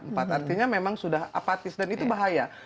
empat artinya memang sudah apatis dan itu bahaya